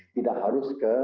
tidak harus ke